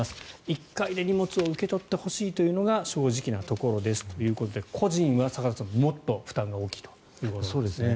１回で荷物を受け取ってほしいというのが正直なところですということで個人は坂田さん、もっと負担が大きいということですね。